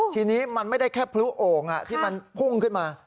ทีนี้มันไม่ได้แค่พลุโอ่งที่มันพุ่งขึ้นมา